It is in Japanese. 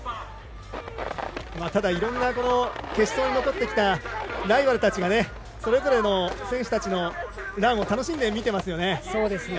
ただ、いろんな決勝に残ってきたライバルたちがそれぞれの選手たちのランを楽しんで見ています。